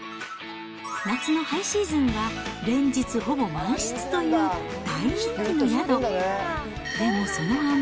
夏のハイシーズンは連日ほぼ満室という、大人気の宿。